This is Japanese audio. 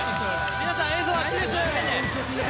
皆さん映像あっちです。